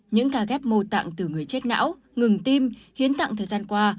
những ca ghép mô tạng từ người chết não ngừng tim hiến tặng thời gian qua